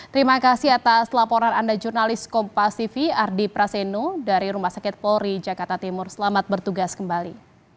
terima kasih atas laporan anda jurnalis kompas tv ardi praseno dari rumah sakit polri jakarta timur selamat bertugas kembali